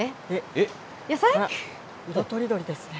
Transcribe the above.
野菜？色とりどりですね。